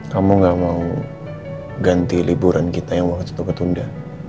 kamu gak mau ganti liburan kita yang waktu itu ketunda